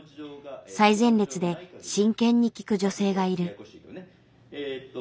最前列で真剣に聞く女性がいる。